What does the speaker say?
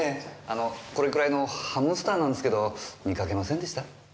あのこれくらいのハムスターなんすけど見かけませんでした？